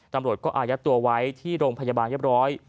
ตำรวจก็อายัดตัวไว้ที่โรงพยาบาลเรียบร้อย